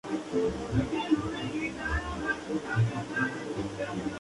Más tarde Michelle decide terminar su relación con Luke y regresar al tour.